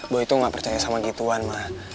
bo itu nggak percaya sama gituan ma